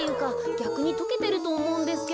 ぎゃくにとけてるとおもうんですけど。